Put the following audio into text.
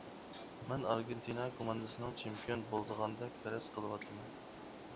مەن ئارگېنتىنا كوماندىسىنىڭ چېمپىيون بولىدىغاندەك پەرەز قىلىۋاتىمەن.